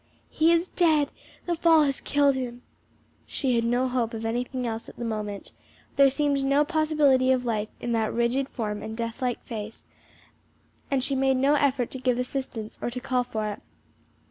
"He is dead, the fall has killed him." She had no hope of anything else at the moment; there seemed no possibility of life in that rigid form and death like face; and she made no effort to give assistance or to call for it.